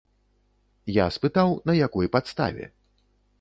Я спытаў, на якой падставе.